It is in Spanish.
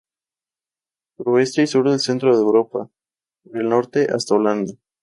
Suroeste y sur del centro de Europa; por el norte hasta Holanda.